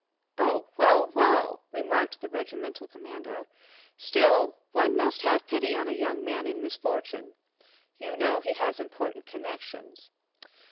"Oh, well, well!" remarked the regimental commander. "Still, one must have pity on a young man in misfortune. You know he has important connections...